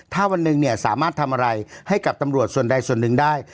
ถ้าวันหนึ่งเนี่ยสามารถทำอะไรให้กับตำรวจส่วนใดส่วนหนึ่งได้